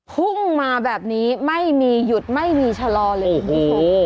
พุ่งมาแบบนี้ไม่มีหยุดไม่มีชะลอเลยคุณผู้ชม